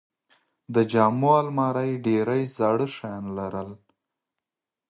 د جامو الماری ډېرې زاړه شیان لرل.